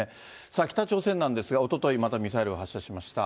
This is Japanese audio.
さあ、北朝鮮なんですが、おととい、またミサイルを発射しました。